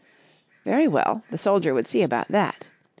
Very well ! the soldier would see about that.